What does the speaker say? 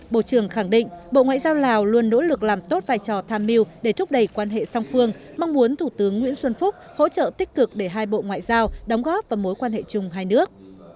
bộ trưởng khẳng định bộ ngoại giao lào luôn nỗ lực làm tốt vai trò tham mưu để thúc đẩy quan hệ song phương mong muốn thủ tướng nguyễn xuân phúc hỗ trợ tích cực để hai bộ ngoại giao đóng góp vào mối quan hệ chung hai nước